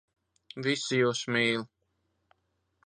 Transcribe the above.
Visi jūs mīl.